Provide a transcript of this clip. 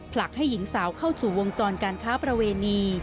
ผลักให้หญิงสาวเข้าสู่วงจรการค้าประเวณี